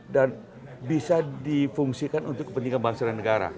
dan bisa difungsikan untuk kepentingan bangsa dan negara